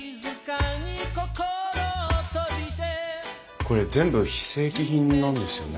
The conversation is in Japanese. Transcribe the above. これ全部非正規品なんですよね？